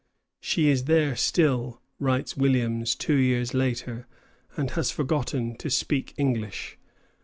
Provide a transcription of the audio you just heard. "She is there still," writes Williams two years later, "and has forgotten to speak English."